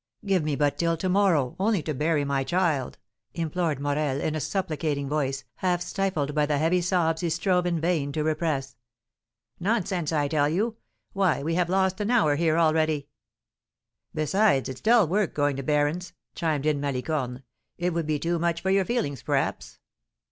"Give me but till to morrow, only to bury my child!" implored Morel, in a supplicating voice, half stifled by the heavy sobs he strove in vain to repress. "Nonsense, I tell you; why, we have lost an hour here already!" "Besides, it's dull work going to berrins," chimed in Malicorne. "It would be too much for your feelings, p'raps."